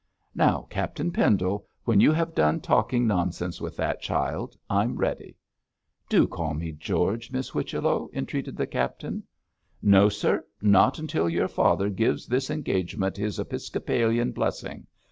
'Now, Captain Pendle, when you have done talking nonsense with that child I'm ready.' 'Do call me George, Miss Whichello,' entreated the captain. 'No, sir; not until your father gives this engagement his episcopalian blessing.